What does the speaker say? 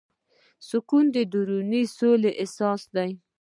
سکون د دروني سولې احساس دی.